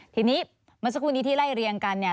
ทีนี้เมื่อสักครู่นี้ที่ไล่เรียงกันเนี่ย